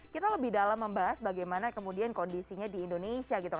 kita lebih dalam membahas bagaimana kemudian kondisinya di indonesia gitu